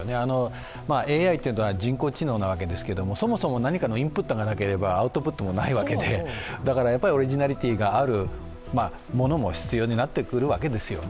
ＡＩというのは人工知能なわけですけど、そもそも何かのインプットがなければアウトプットもないわけでオリジナリティーがあるものも必要になってくるわけですよね。